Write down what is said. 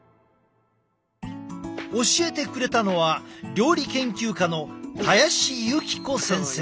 教えてくれたのは料理研究家の林幸子先生。